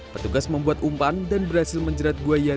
petugas membuat umpan dan berhasil menjerat buaya